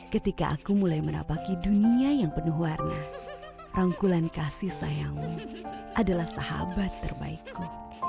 ketika aku mulai menapaki dunia yang penuh warna rangkulan kasih sayangmu adalah sahabat terbaikku